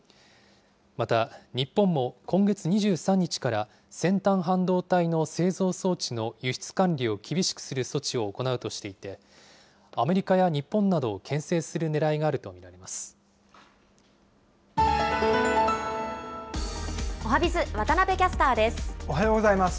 また、日本も今月２３日から先端半導体の製造装置の輸出管理を厳しくする措置を行うとしていて、アメリカや日本などをけん制するねらいおはＢｉｚ、おはようございます。